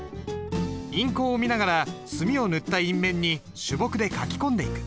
印稿を見ながら墨を塗った印面に朱墨で書き込んでいく。